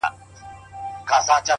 درد ناځوانه بيا زما ټول وجود نيولی دی